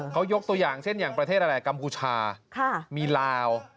เขายกตัวอย่างเช่นอย่างประเทศอะไรกัมพูชามีลาว